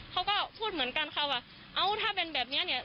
เขาก็พูดเหมือนกันค่ะว่าเอ้าถ้าเป็นแบบนี้เนี่ย